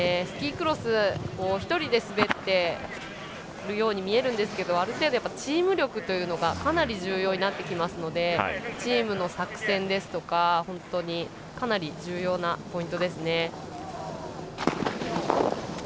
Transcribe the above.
スキークロスは１人で滑っているように見えるんですけどある程度、チーム力がかなり重要になりますのでチームの作戦ですとかかなり重要なポイントですね。